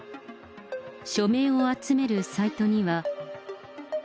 署名を集めるサイトには。